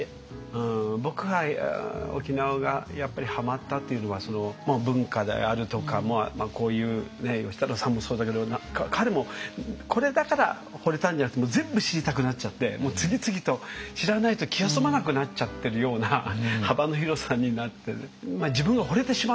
うん僕は沖縄がハマったっていうのは文化であるとかこういう芳太郎さんもそうだけど彼もこれだからほれたんじゃなくて全部知りたくなっちゃって次々と知らないと気が済まなくなっちゃってるような幅の広さになってる。